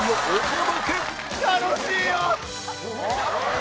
楽しいよ！